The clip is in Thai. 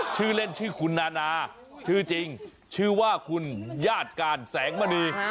ชื่อเล่นชื่อคุณนานาชื่อจริงชื่อว่าคุณญาติการแสงมณี